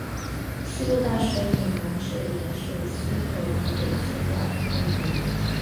西部淡水以南至盐水溪口以北间广泛分布。